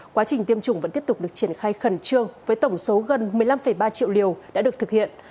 quá trình tiêm chủng vẫn tiếp tục được triển khai khẩn trương với tổng số gần một mươi năm ba triệu liều đã được thực hiện